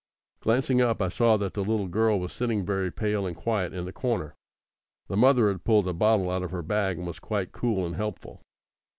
Glancing up, I saw that the little girl was sitting very pale and quiet in the corner. The mother had pulled a bottle out of her bag and was quite cool and helpful.